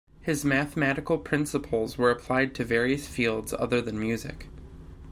His mathematical principles were applied to various fields other than music.